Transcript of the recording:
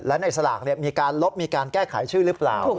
และในสลากมีการลบมีการแก้ไขชื่อหรือเปล่า